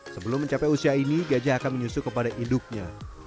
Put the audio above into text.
sebelum mencapai usia ini gajah akan menyusu kepada induknya